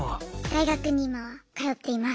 大学に今は通っています。